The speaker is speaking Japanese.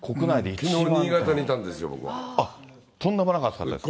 きのう新潟にいたんですよ、とんでもなかったでしょう。